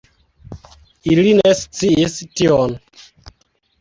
Ili ne sciis tion.